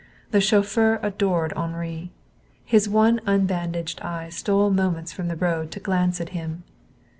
The chauffeur adored Henri. His one unbandaged eye stole moments from the road to glance at him.